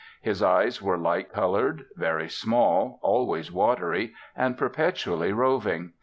His eyes were light coloured, very small, always watery, and perpetually roving.